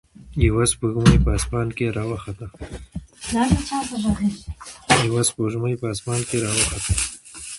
یوه سپوږمۍ په اسمان کې راوخته.